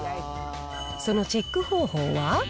そのチェック方法は。